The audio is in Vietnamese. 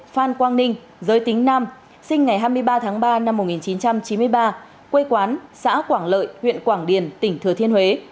phan quang ninh giới tính nam sinh ngày hai mươi ba tháng ba năm một nghìn chín trăm chín mươi ba quê quán xã quảng lợi huyện quảng điền tỉnh thừa thiên huế